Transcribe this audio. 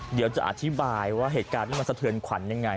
เดี๋ยวจะอธิบายว่าเหตุการณ์นี้มันสะเทือนขวัญยังไง